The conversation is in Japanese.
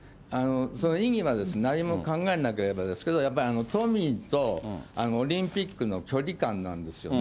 その意義は何も考えないで言えばですけど、やっぱり都民とオリンピックの距離感なんですよね。